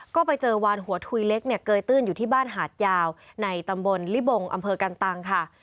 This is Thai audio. ก็ไปเจอวานหัวถุยเล็กเนี่ยเกยตื้นอยู่ที่บ้านหาดยาวในตำบลลิบงอำเภอกันตังค่ะ